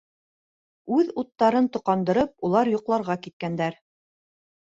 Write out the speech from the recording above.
Үҙ уттарын тоҡандырып, улар йоҡларға киткәндәр.